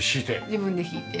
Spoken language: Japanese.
自分で敷いて。